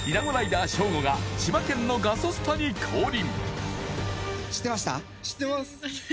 ＲＳＨＯＧＯが千葉県のガソスタに降臨！